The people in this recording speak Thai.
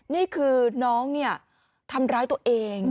นี่คือน้องทำร้ายตัวเอง